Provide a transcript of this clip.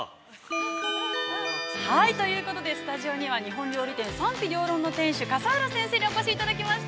◆はい、ということでスタジオには、日本料理店「賛否両論」の店主、笠原先生にお越しいただきました。